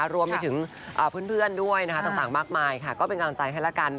รวมไปถึงเพื่อนด้วยต่างมากมายค่ะก็เป็นกำลังใจให้ละกัน